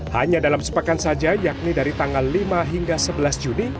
hanya dalam sepekan saja yakni dari tanggal lima hingga sebelas juni